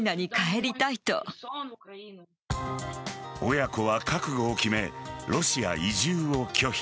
親子は覚悟を決めロシア移住を拒否。